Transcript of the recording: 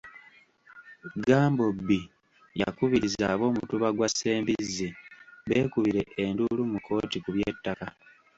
Gambobbi yakubirizza ab'omutuba gwa Ssembizzi beekubire enduulu mu kkooti ku by'ettaka.